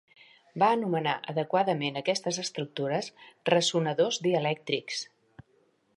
Va anomenar adequadament aquestes estructures "ressonadors dielèctrics".